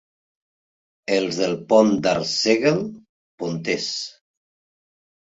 Els del Pont d'Arsèguel, ponters.